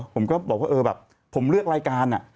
ผมก็บอกว่าเออแบบผมเลือกรายการ